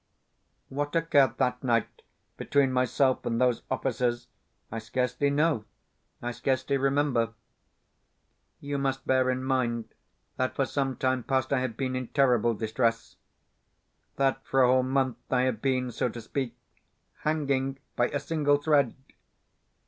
What occurred that night between myself and those officers I scarcely know, I scarcely remember. You must bear in mind that for some time past I have been in terrible distress that for a whole month I have been, so to speak, hanging by a single thread.